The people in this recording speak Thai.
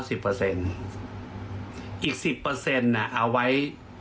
อีก๑๐น่ะเอาไว้